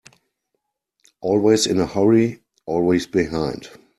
Always in a hurry, always behind.